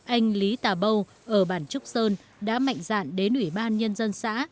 anh lý tà bâu ở bản trúc sơn đã mạnh dạn đến ủy ban nhân dân xã